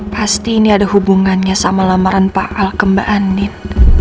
pasti ini ada hubungannya sama lamaran pak al ke mbak anin